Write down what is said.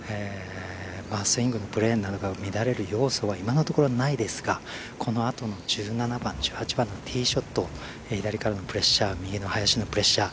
スイングのブレなど乱れる要素は今のところはないですがこのあとの１７番、１８番のティーショット左からのプレッシャー右の林のプレッシャー